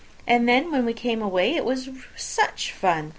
And then when we came away it was such fun!